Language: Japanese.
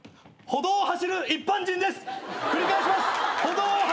歩道を走る一般人です！